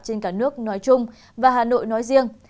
trên cả nước nói chung và hà nội nói riêng